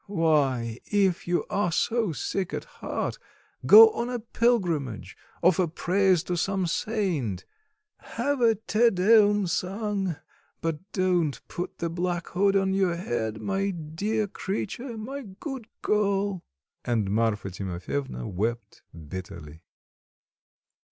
Why, if you are so sick at heart, go on a pilgrimage, offer prayers to some saint, have a Te Deum sung, but don't put the black hood on your head, my dear creature, my good girl." And Marfa Timofyevna wept bitterly.